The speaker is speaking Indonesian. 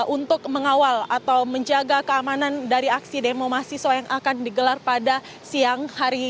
untuk mengawal atau menjaga keamanan dari aksi demo mahasiswa yang akan digelar pada siang hari